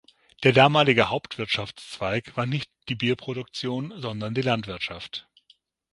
Der damalige Hauptwirtschaftszweig war nicht die Bierproduktion, sondern die Landwirtschaft.